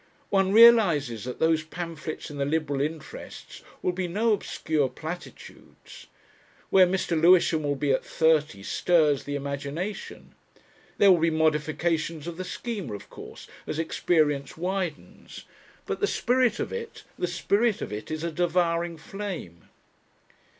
One realises that those pamphlets in the Liberal interests will be no obscure platitudes. Where Mr. Lewisham will be at thirty stirs the imagination. There will be modifications of the Schema, of course, as experience widens. But the spirit of it the spirit of it is a devouring flame!